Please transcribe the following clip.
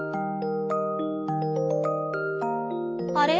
あれ？